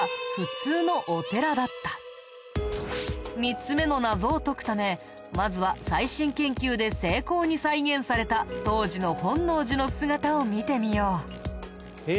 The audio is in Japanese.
３つ目の謎を解くためまずは最新研究で精巧に再現された当時の本能寺の姿を見てみよう。